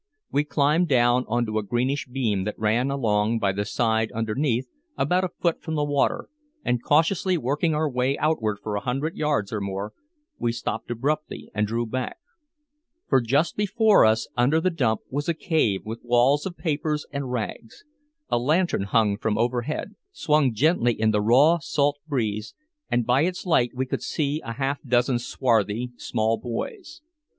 We climbed down onto a greenish beam that ran along by the side underneath, about a foot from the water, and cautiously working our way outward for a hundred yards or more, we stopped abruptly and drew back. For just before us under the dump was a cave with walls of papers and rags. A lantern hung from overhead, swung gently in the raw salt breeze, and by its light we could see a half dozen swarthy small boys.